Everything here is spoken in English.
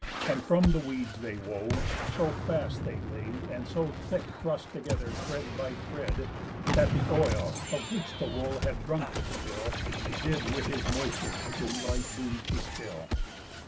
And from the weeds they wove, so fast they laid, And so thick thrust together thread by thread, That th' oil, of which the wool had drunk his fill, Did with his moisture in light dews distill.